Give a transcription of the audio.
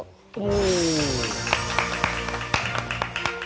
うん。